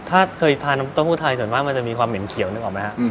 ถ้าเคยทานน้ำเต้าหู้ไทยส่วนมากมันจะมีความเหม็นเขียวนึกออกไหมฮะ